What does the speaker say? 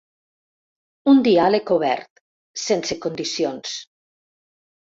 Un diàleg obert, sense condicions.